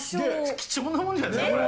貴重なもんなんじゃないですか？